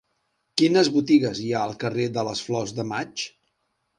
Quines botigues hi ha al carrer de les Flors de Maig?